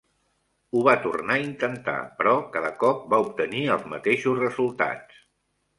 Ho va tornar a intentar, però cada cop va obtenir els mateixos resultats.